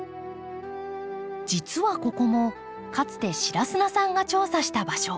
実はここもかつて白砂さんが調査した場所。